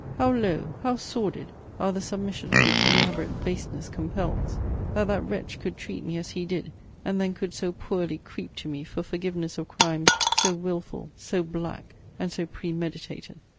How low, how sordid, are the submissions which elaborate baseness compels! that that wretch could treat me as he did, and then could so poorly creep to me for forgiveness of crimes so wilful, so black, and so premeditated!